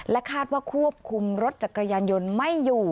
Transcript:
คาดว่าควบคุมรถจักรยานยนต์ไม่อยู่